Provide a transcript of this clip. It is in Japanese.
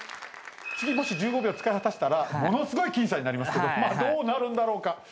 次もし１５秒使い果たしたらものすごい僅差になりますけどまあどうなるんだろうか。